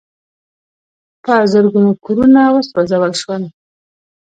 په زرګونو کورونه وسوځول شول.